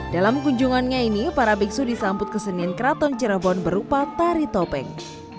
dalam kunjungannya ini para biksu disambut kesenian keraton cirebon berupa tari topeng